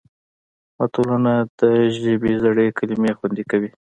متلونه د ژبې زړې کلمې خوندي کوي